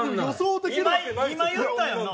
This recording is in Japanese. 今言ったやな。